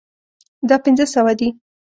دا پنځه سوه دي